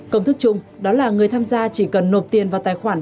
công thức chung đó là người tham gia chỉ cần nộp tiền vào tài khoản